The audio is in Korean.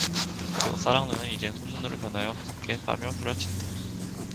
그리고 싸락눈은 이젠 솜눈으로 변하여 무섭게 뺨을 후려친다.